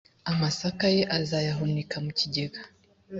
amasaka ye azayahunika mu kigega